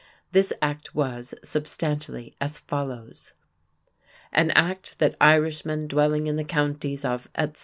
This Act was, substantially, as follows: "An Act that Irishmen dwelling in the Counties of, etc....